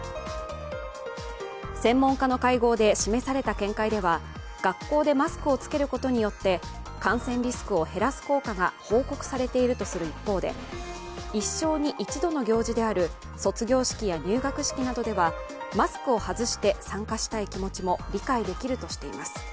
専門家の会合で示された見解では学校でマスクを着けることによって感染リスクを減らす効果が報告されているとする一方で一生に一度の行事である卒業式や入学式などではマスクを外して参加したい気持ちも理解できるとしています。